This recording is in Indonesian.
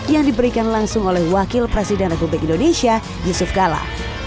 yang diberikan langsung oleh wakil presiden republik indonesia yusuf kala